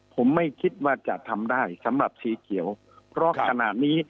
ผมไม่คิดว่าจะทำได้สำหรับสีเขียวเพราะขนาดนี้